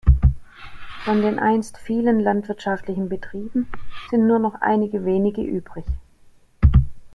Von den einst vielen landwirtschaftlichen Betrieben sind nur noch einige wenige übrig.